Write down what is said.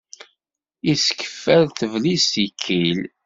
Iskef ar teblist ikkil.